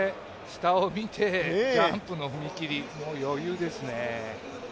下を見てジャンプの踏み切り、もう余裕ですね。